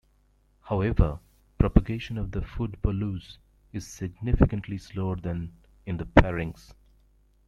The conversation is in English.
However, propagation of the food bolus is significantly slower than in the pharynx.